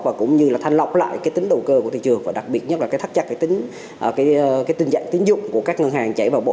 và cũng như là thanh lọc lại tính đầu cơ của thị trường